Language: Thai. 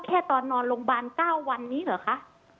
แค่ตอนนอนโรงพยาบาล๙วันนี้เหรอคะ